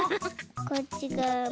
こっちがわも。